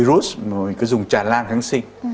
virus mà mình cứ dùng trả lan kháng sinh